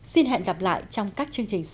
xin hẹn gặp lại trong các chương trình sau